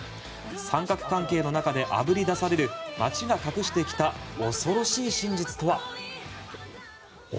三角関係の中であぶり出される街が隠してきた恐ろしい真実とは。